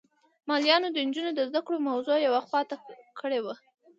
ملایانو د نجونو د زده کړو موضوع یوه خوا ته کړې وه.